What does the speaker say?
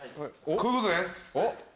こういうことね。